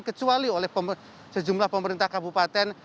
kecuali oleh sejumlah pemerintah kabupaten